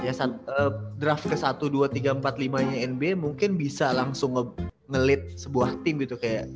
ya draft ke satu dua tiga empat lima nya nb mungkin bisa langsung ngelit sebuah tim gitu kayak